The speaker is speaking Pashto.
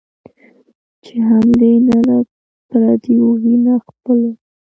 چي حملې نه له پردیو وي نه خپلو